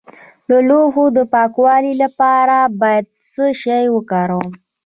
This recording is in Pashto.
د لوښو د پاکوالي لپاره باید څه شی وکاروم؟